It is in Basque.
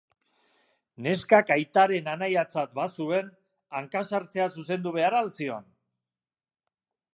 Neskak aitaren anaiatzat bazuen, hanka-sartzea zuzendu behar al zion?